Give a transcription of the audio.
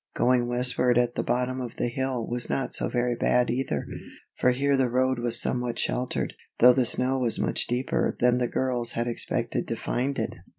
Going westward at the bottom of the hill was not so very bad either, for here the road was somewhat sheltered, though the snow was much deeper than the girls had expected to find it.